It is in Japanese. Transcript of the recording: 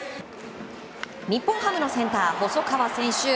日本ハムのセンター、細川選手